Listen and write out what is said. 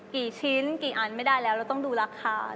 กี่ชิ้นกี่อันไม่ได้แล้วเราต้องดูราคา